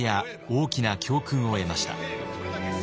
大きな教訓を得ました。